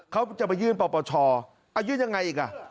เขาจะไปยื่นปปชยื่นยังไงอีกอ่ะ